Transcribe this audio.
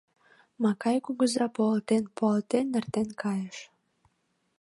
Макай кугыза пуалтен-пуалтен эртен кайыш.